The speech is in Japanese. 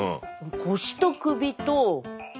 腰と首と。